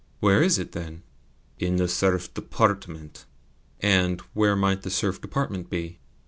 "Where is it, then?" "In the Serf Department." "And where might the Serf Department be?"